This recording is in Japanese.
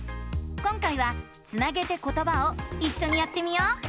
今回は「つなげてことば」をいっしょにやってみよう！